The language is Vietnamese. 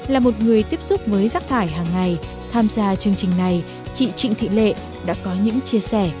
là một người tiếp xúc với rác thải hàng ngày tham gia chương trình này chị trịnh thị lệ đã có những chia sẻ